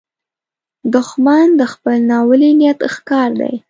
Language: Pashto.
دښمن د خپل ناولي نیت ښکار دی